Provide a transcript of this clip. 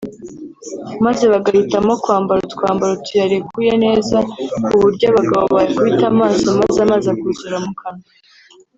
maze bagahitamo kwambara utwambaro tuyarekuye neza ku buryo abagabo bayakubita amaso maze amazi akuzura mu kanwa